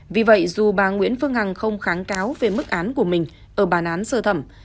vì vậy dù bà nguyễn phương hằng không kháng cáo về mức án của mình ở bản án sơ thẩm